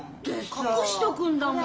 隠しとくんだもん。